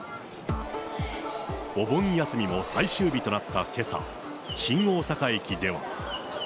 お盆休みも最終日となったけさ、新大阪駅では。